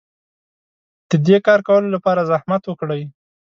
د دې کار کولو لپاره زحمت وکړئ.